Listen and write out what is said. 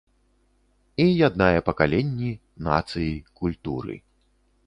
І яднае пакаленні, нацыі, культуры.